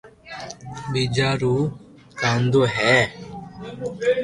ٻيجا رو ڪانتو ھي